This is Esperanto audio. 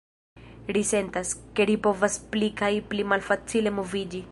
Ri sentas, ke ri povas pli kaj pli malfacile moviĝi.